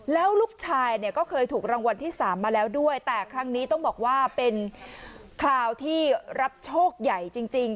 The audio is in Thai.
แล้วลูกชายเนี่ยก็เคยถูกรางวัลที่๓มาแล้วด้วยแต่ครั้งนี้ต้องบอกว่าเป็นคราวที่รับโชคใหญ่จริง